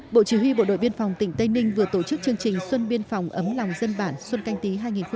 bộ chỉ huy bộ đội biên phòng tỉnh tây ninh vừa tổ chức chương trình xuân biên phòng ấm lòng dân bản xuân canh tí hai nghìn hai mươi